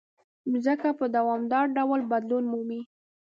مځکه په دوامداره ډول بدلون مومي.